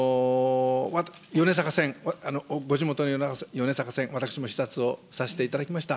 米坂線、ご地元の米坂線、私も視察をさせていただきました。